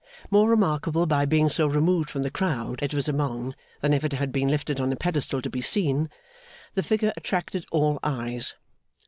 More remarkable by being so removed from the crowd it was among than if it had been lifted on a pedestal to be seen, the figure attracted all eyes.